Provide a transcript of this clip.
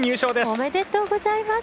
おめでとうございます！